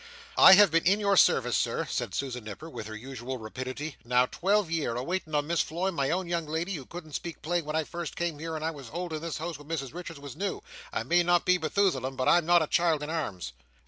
"I have been in your service, Sir," said Susan Nipper, with her usual rapidity, "now twelve "year a waiting on Miss Floy my own young lady who couldn't speak plain when I first come here and I was old in this house when Mrs Richards was new, I may not be Meethosalem, but I am not a child in arms."